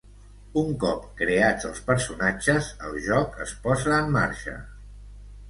Un cop creats els personatges, el joc es posa en marxa.